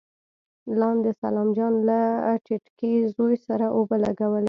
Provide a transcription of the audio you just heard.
لاندې سلام جان له ټيټکي زوی سره اوبه لګولې.